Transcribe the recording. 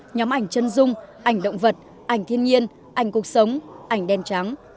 nhóm ảnh chân dung ảnh động vật ảnh thiên nhiên ảnh cuộc sống ảnh đen trắng